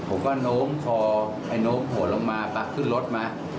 ผมก็โน้มคอไอ้โน้มหัวลงมาปักขึ้นรถมา